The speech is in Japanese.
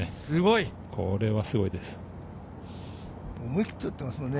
これはすごいですね。